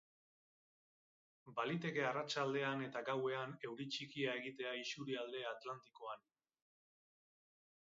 Baliteke arratsaldean eta gauean euri txikia egitea isurialde atlantikoan.